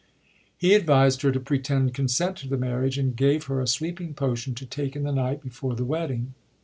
He advised her to pretend consent to the marriage, and gave her a sleeping potion to take in the night before the wedding.